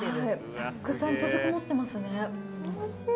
たくさん閉じこもってますね。